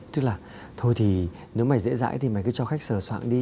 tức là thôi thì nếu mày dễ dãi thì mày cứ cho khách sờ soạn đi